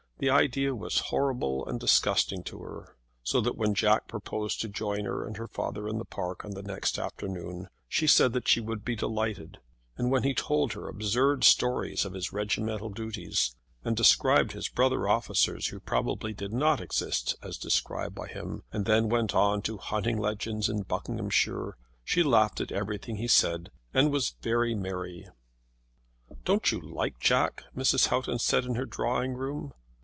The idea was horrible and disgusting to her. So that when Jack proposed to join her and her father in the park on the next afternoon, she said that she would be delighted; and when he told her absurd stories of his regimental duties, and described his brother officers who probably did not exist as described by him, and then went on to hunting legends in Buckinghamshire, she laughed at everything he said and was very merry. "Don't you like Jack?" Mrs. Houghton said to her in the drawing room.